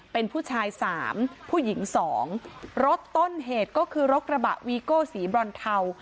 เป็นผู้ชายสามผู้หญิงสองรถต้นเหตุก็คือรถกระบะวีโก้สีบรอนเทา